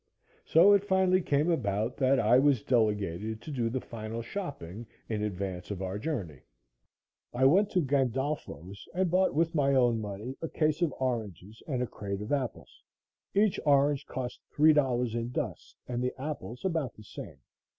So it finally came about that I was delegated to do the final shopping in advance of our journey. I went to Gandolfo's and bought with my own money a case of oranges and a crate of apples. Each orange cost $3 in dust and the apples about the same.